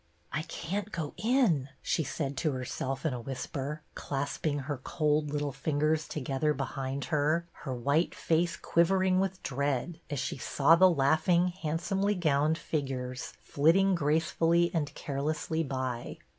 {" I can't go in," she said to herself in a whisper, clasping her cold little fingers :■ together behind her, her white face quiver ] ing with dread, as she saw the laughing, ^ handsomely gowned figures flitting grace ^ fully and carelessly by.